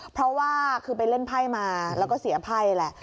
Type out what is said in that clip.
เพราะว่าคือไปเล่นไพ่มาแล้วก็เสียไพ่แหละ